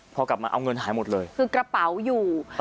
พอกลับมาเอาเงินหายหมดเลยคือกระเป๋าอยู่